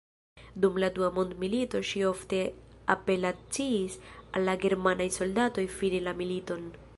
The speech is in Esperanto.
Dum la Dua Mondmilito ŝi ofte apelaciis al la germanaj soldatoj fini la militon.